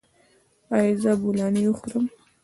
ایا زه بولاني وخورم؟